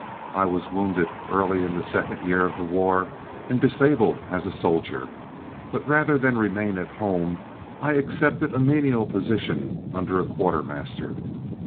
I was wounded early in the second year of the war and disabled as a soldier, but rather than remain at home I accepted a menial position under a quartermaster.